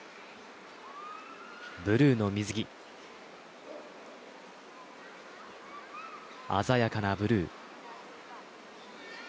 ブルーの水着、鮮やかなブルー。